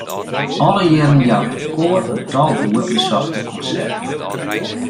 Alle jierren jout it koar in tal goed besochte konserten.